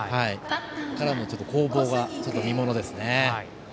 ここからの攻防が見ものですね。